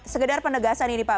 segedar penegasan ini pak